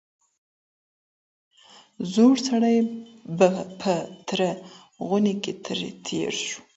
زوړ سړی په تره غونې کي تر تېر سو